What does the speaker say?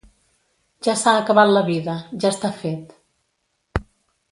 Ja s’ha acabat la vida, ja està fet.